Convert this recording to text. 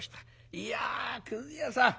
「いやくず屋さん